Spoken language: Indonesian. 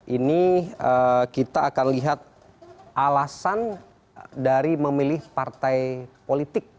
ini kita akan lihat alasan dari memilih partai politik